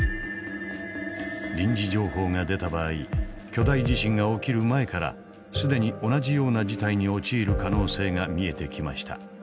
臨時情報が出た場合巨大地震が起きる前から既に同じような事態に陥る可能性が見えてきました。